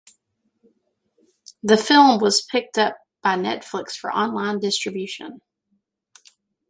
The film was picked up by Netflix for online distribution.